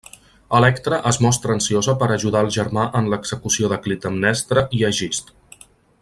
Electra es mostra ansiosa per ajudar el germà en l'execució de Clitemnestra i Egist.